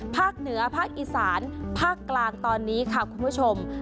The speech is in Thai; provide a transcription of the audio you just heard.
ภาคเหนือภาคอีสานภาคกลางตอนนี้ค่ะคุณผู้ชม